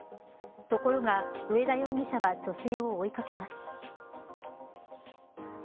ところが上田容疑者は女性を追いかけます。